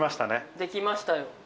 できましたよ。